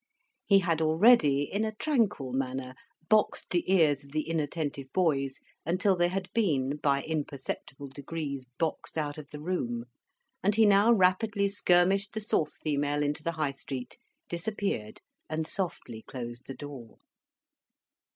He had already, in a tranquil manner, boxed the ears of the inattentive boys until they had been by imperceptible degrees boxed out of the room; and he now rapidly skirmished the sauce female into the High Street, disappeared, and softly closed the door.